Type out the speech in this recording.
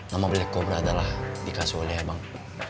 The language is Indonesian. nama black cobra adalah dikasih oleh abang